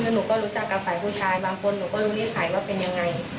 หนูก็รู้จักกับฝ่ายผู้ชายบางคนหนูก็รู้นิสัยว่าเป็นยังไง